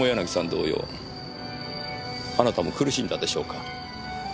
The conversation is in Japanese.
同様あなたも苦しんだでしょうか。